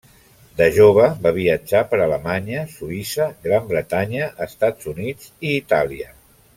De jove va viatjar per Alemanya, Suïssa, Gran Bretanya, Estats Units i Itàlia.